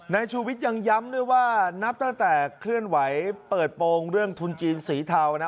ชูวิทย์ยังย้ำด้วยว่านับตั้งแต่เคลื่อนไหวเปิดโปรงเรื่องทุนจีนสีเทานะ